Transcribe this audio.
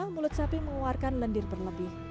mulut sapi mengeluarkan lendir berlebih